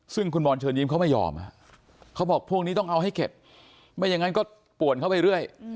ซึ่งคุณบอลเชิญยิ้มเขาไม่ยอมเขาบอกพวกนี้ต้องเอาให้เข็ดไม่อย่างนั้นก็ป่วนเข้าไปเรื่อย